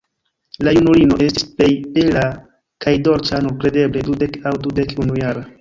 La junulino estis plej bela kaj dolĉa, nun kredeble dudek aŭ dudek-unujara.